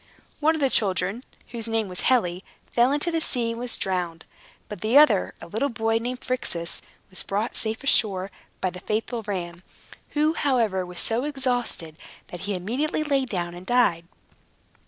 One of the children, whose name was Helle, fell into the sea and was drowned. But the other (a little boy, named Phrixus) was brought safe ashore by the faithful ram, who, however, was so exhausted that he immediately lay down and died.